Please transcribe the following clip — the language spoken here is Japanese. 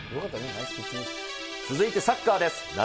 続いてサッカーです。